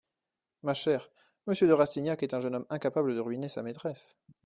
Ma chère, monsieur de Rastignac est un jeune homme incapable de ruiner sa maîtresse.